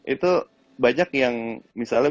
itu banyak yang misalnya